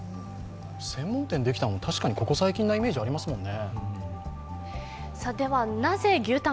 専門店ができたの、ここ最近のイメージありますもんね。